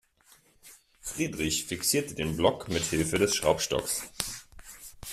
Friedrich fixierte den Block mithilfe des Schraubstocks.